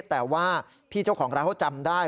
แต่ว่าพี่เจ้าของร้านเขาจำได้